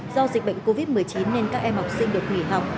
do dịch bệnh covid một mươi chín nên các em học sinh được nghỉ học